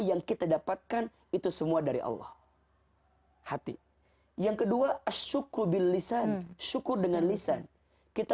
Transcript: yang kita dapatkan itu semua dari allah hati yang kedua syukur bil lisan syukur dengan lisan kita